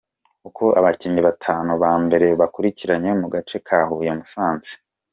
Uko abakinnyi batanu ba mbere bakurikiranye mu gace ka Huye-Musanze